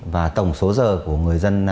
và tổng số giờ của người dân